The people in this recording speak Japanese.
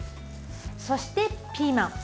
そして、ピーマン。